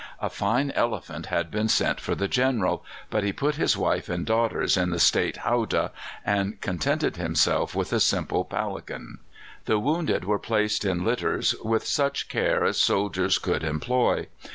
A fine elephant had been sent for the General, but he put his wife and daughters in the state howdah, and contented himself with a simple palanquin. The wounded were placed in litters with such care as soldiers could employ.